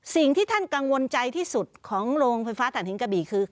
สิ่งที่ท่านกังวลใจที่สุดของโรงไฟฟ้าฐานหินกะบี่คือ